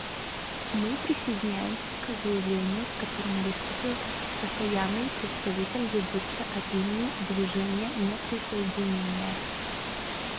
Мы присоединяемся к заявлению, с которым выступил Постоянный представитель Египта от имени Движения неприсоединения.